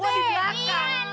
wah di belakang